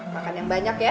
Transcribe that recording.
makan yang banyak ya